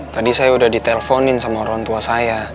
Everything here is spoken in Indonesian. tadi saya udah diteleponin sama orang tua saya